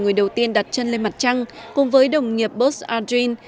người đầu tiên đặt chân lên mặt trăng cùng với đồng nghiệp buzz aldrin